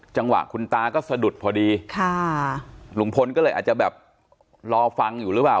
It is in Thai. จังหวะคุณตาก็สะดุดพอดีค่ะลุงพลก็เลยอาจจะแบบรอฟังอยู่หรือเปล่า